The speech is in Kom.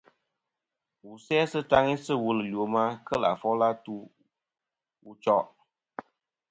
Wù sè sɨ taŋi sɨ̂ wùl ɨ lwema kelɨ̀ àfol a ŋweyn atu wu choʼ.